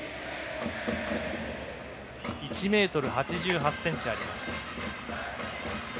１ｍ８８ｃｍあります。